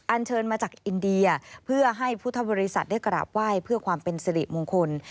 เชิญมาจากอินเดียเพื่อให้พุทธบริษัทได้กราบไหว้เพื่อความเป็นสิริมงคล